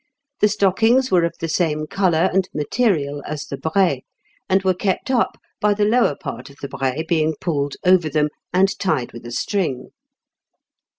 The stockings were of the same colour and material as the braies, and were kept up by the lower part of the braies being pulled over them, and tied with a string.